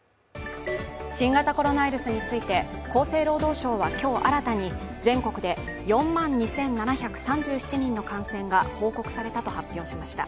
新型コロナウイルスについて厚生労働省は今日、新たに全国で４万２７３７人の感染が報告されたと発表しました。